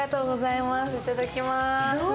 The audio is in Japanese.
いただきます。